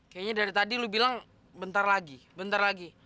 kayanya dari tadi lo bilang bentar lagi bentar lagi